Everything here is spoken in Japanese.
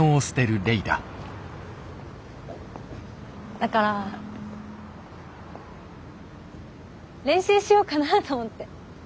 だから練習しようかなと思って。